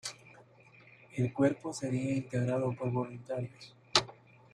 El cuerpo sería integrado por voluntarios.